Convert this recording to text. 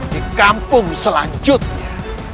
di kampung selanjutnya